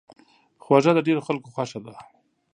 خوږه د ډېرو خلکو خوښه ده.